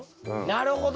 なるほど！